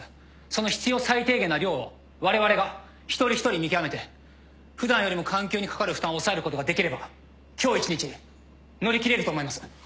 その必要最低限の量をわれわれが一人一人見極めて普段よりも管球にかかる負担を抑えることができれば今日一日乗り切れると思います。